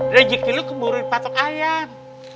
rejeki lo kemburin patok ayam